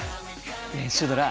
ねえシュドラ。